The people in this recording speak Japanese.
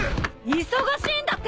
忙しいんだって！